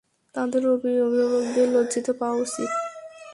তাদের অভিভাবকদের লজ্জিত পাওয়া উচিত।